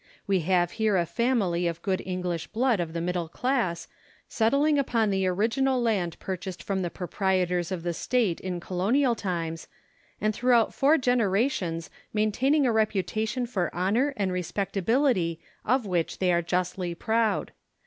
We have here a family of good Eng lish blood of the middle class, settling upon the original land purchased from the proprietors of the state in Colonial times, and throughout four generations main taining a reputation for honor and respectability of which they are justly proud.